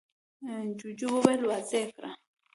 جوجو وويل: واضح يې کړه!